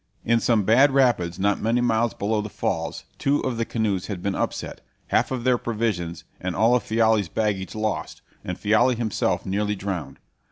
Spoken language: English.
In some bad rapids, not many miles below the falls, two of the canoes had been upset, half of their provisions and all of Fiala's baggage lost, and Fiala himself nearly drowned.